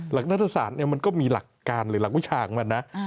หลักนัฐสารมันก็มีหลักการหรือหลักวิชากมันนะ